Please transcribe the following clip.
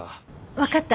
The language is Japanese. わかった。